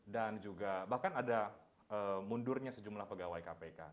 dan juga bahkan ada mundurnya sejumlah pegawai kpk